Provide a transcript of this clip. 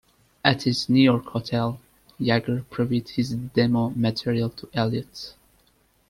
At his New York hotel, Jagger previewed his demo material to Elliott.